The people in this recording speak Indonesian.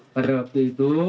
pada waktu itu